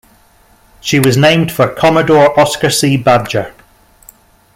She was named for Commodore Oscar C. Badger.